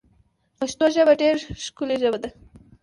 پشتو ژبه ډېره ښکولي ژبه ده